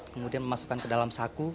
kemudian memasukkan ke dalam saku